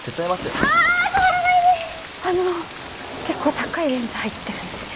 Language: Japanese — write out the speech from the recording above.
あの結構高いレンズ入ってるんですよね。